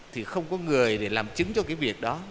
thì không có người để làm chứng cho cái việc đó